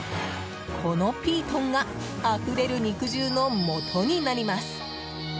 このピートンがあふれる肉汁の素になります。